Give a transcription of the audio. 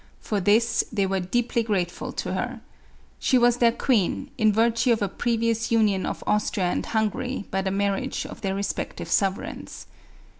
For this they were deeply grateful to her. She was their queen, in virtue of a previous union of Austria and Hungary by the mar of their respective sovereigns.